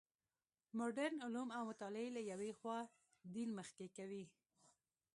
مډرن علوم او مطالعې له یوې خوا دین مخ کوي.